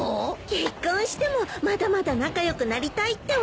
結婚してもまだまだ仲良くなりたいって思ってるんでしょ？